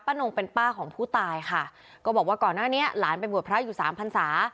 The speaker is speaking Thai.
นงเป็นป้าของผู้ตายค่ะก็บอกว่าก่อนหน้านี้หลานไปบวชพระอยู่สามพันศา